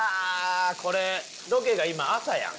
これロケが今朝やん。